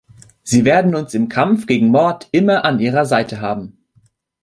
Sie werden uns im Kampf gegen Mord immer an Ihrer Seite haben!